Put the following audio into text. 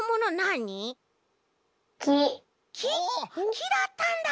きだったんだ！